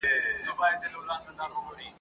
هر مضر له خپله اصله معلومیږي ..